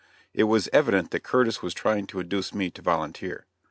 It was evident that Curtis was trying to induce me to volunteer.